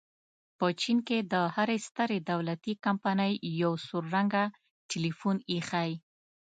په چین کې د هرې سترې دولتي کمپنۍ یو سور رنګه ټیلیفون ایښی.